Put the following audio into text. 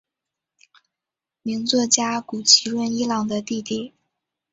名作家谷崎润一郎的弟弟。